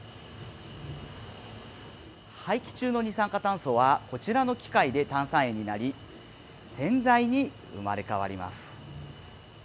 排気中の二酸化炭素はこちらの機械で炭酸塩になり洗剤に生まれ変わります。